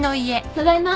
ただいま。